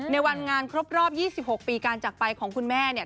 ในวันงานครบรอบ๒๖ปีการจักรไปของคุณแม่เนี่ย